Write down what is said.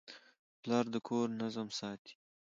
پلار د کور نظم ساتي.